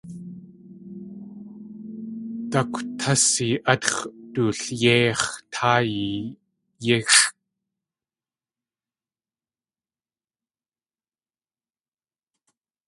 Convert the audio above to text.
Dákwtasi átx̲ dulyéix̲ táay yíxʼ.